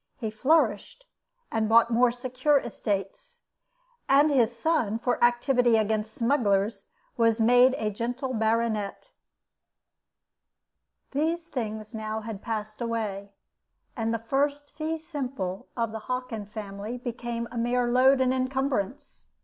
He flourished, and bought more secure estates; and his son, for activity against smugglers, was made a gentle baronet. These things now had passed away, and the first fee simple of the Hockin family became a mere load and incumbrance.